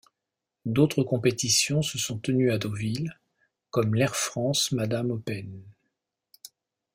D'autres compétitions se sont tenues à Deauville, comme l'Air France Madame Open.